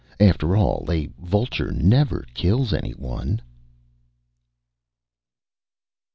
After all, a vulture never kills anyone...